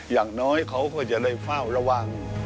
อย่างน้อยเขาก็จะได้เฝ้าระวัง